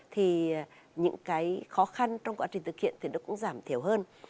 thì những khó khăn trong quá trình thực hiện cũng giảm thiểu hơn